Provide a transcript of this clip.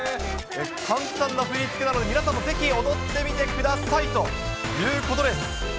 簡単な振り付けなので、皆さんもぜひ踊ってみてくださいということです。